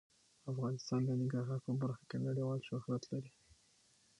افغانستان د ننګرهار په برخه کې نړیوال شهرت لري.